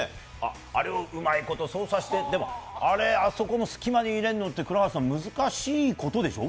あれをうまいこと操作して、あそこの隙間に入れるのって難しいことでしょう？